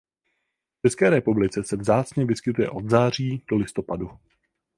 V České republice se vzácně vyskytuje od září do listopadu.